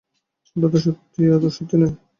কথাটা সত্যি অথচ সত্যি নয়।